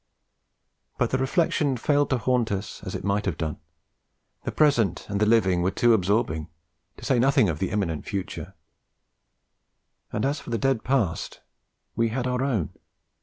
But the reflection failed to haunt us as it might have done; the present and the living were too absorbing, to say nothing of the imminent future; and as for the dead past, we had our own.